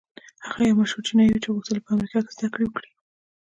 هغه يو مشهور چينايي و چې غوښتل يې په امريکا کې زدهکړې وکړي.